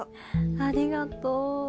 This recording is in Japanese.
ありがとう。